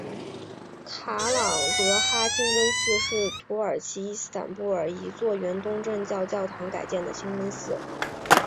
卡朗德哈清真寺是土耳其伊斯坦布尔一座原东正教教堂改建的清真寺。